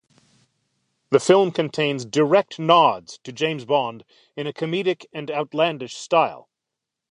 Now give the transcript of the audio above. The film contains direct nods to James Bond in a comedic and outlandish style.